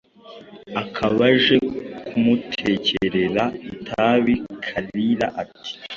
akaba aje kumutekerera itabi. Kalira, ati «